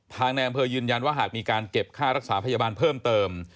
ในอำเภอยืนยันว่าหากมีการเก็บค่ารักษาพยาบาลเพิ่มเติม